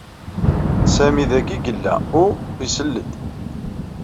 Sami d-agi i yella u isel-d.